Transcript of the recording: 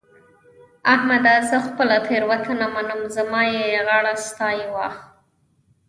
احمده! زه خپله تېرونته منم؛ زما يې غاړه ستا يې واښ.